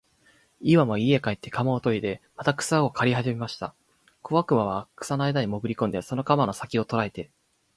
イワンは家へ帰って鎌をといでまた草を刈りはじめました。小悪魔は草の中へもぐり込んで、その鎌の先きを捉えて、